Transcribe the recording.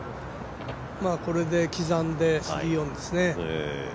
これで刻んで３オンですね。